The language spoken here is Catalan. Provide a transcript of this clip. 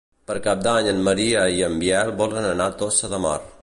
Per Cap d'Any en Maria i en Biel volen anar a Tossa de Mar.